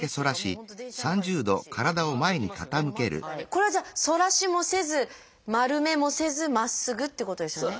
これはじゃあ反らしもせず丸めもせずまっすぐっていうことですよね。